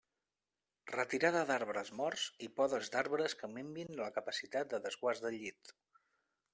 Retirada d'arbres morts i podes d'arbres que minvin la capacitat de desguàs del llit.